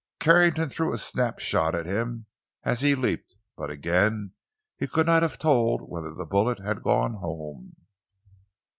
Carrington threw a snapshot at him as he leaped, but again he could not have told whether the bullet had gone home.